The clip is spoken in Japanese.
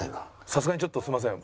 さすがにちょっとすいません。